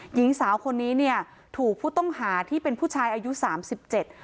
หญิงสาวคนนี้เนี่ยถูกผู้ต้องหาที่เป็นผู้ชายอายุสามสิบเจ็ด